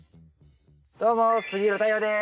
どうも杉浦太陽です！